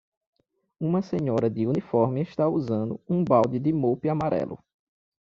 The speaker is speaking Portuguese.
Uma senhora de uniforme está usando um balde de mop amarelo.